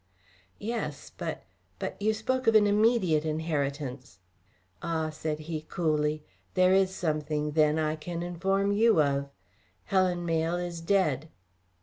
"Yes, but but you spoke of an immediate inheritance." "Ah," said he, coolly, "there is something, then, I can inform you of. Helen Mayle is dead."